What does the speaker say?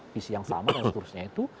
visi yang sama dan seterusnya itu